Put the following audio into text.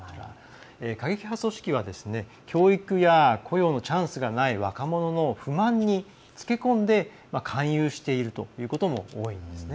過激派組織は教育や雇用のチャンスがない若者の不満につけ込んで勧誘しているということも多いんですね。